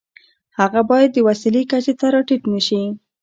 هغه باید د وسیلې کچې ته را ټیټ نشي.